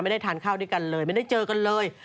ได้ทานข้าวด้วยกันเลยไม่ได้เจอกันเลย